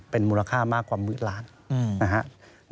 เป็นมูลค่ามากกว่าหมื่นล้านนะครับ